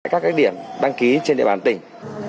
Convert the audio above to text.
các điểm đăng ký trên địa bàn tỉnh